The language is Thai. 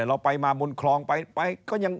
เราไปมาบนคลองไปก็ยัง